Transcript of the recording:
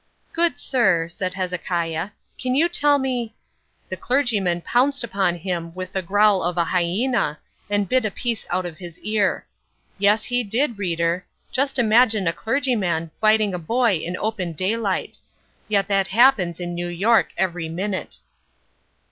"Good sir," said Hezekiah, "can you tell me—" The clergyman pounced upon him with a growl of a hyena, and bit a piece out of his ear. Yes, he did, reader. Just imagine a clergyman biting a boy in open daylight! Yet that happens in New York every minute.